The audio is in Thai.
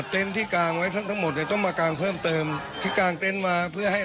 ที่กางไว้ทั้งหมดเนี่ยต้องมากางเพิ่มเติมที่กางเต็นต์มาเพื่อให้